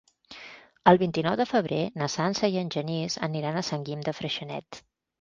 El vint-i-nou de febrer na Sança i en Genís aniran a Sant Guim de Freixenet.